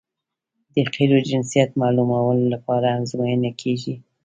د قیرو جنسیت معلومولو لپاره ازموینې کیږي